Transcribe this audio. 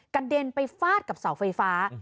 เด็นไปฟาดกับเสาไฟฟ้า